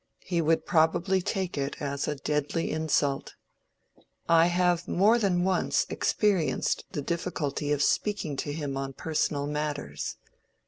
He would probably take it as a deadly insult. I have more than once experienced the difficulty of speaking to him on personal matters.